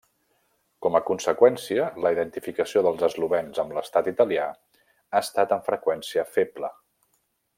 Com a conseqüència, la identificació dels eslovens amb l'Estat italià ha estat amb freqüència feble.